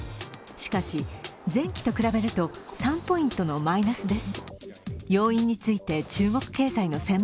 しかし、前期と比べると３ポイントのマイナスです。